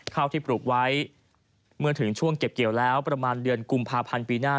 ข้าวที่ปลูกไว้เมื่อถึงช่วงเก็บเกี่ยวแล้วประมาณเดือนกุมภาพันธ์ปีหน้า